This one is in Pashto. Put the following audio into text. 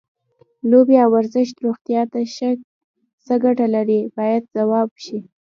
لوبې او ورزش روغتیا ته څه ګټې لري باید ځواب شي.